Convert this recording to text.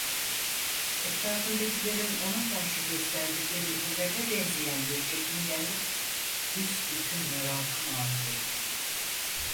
Etrafındakilerin ona karşı gösterdikleri hürmete benzeyen bir çekingenlik, büsbütün merakımı artırdı.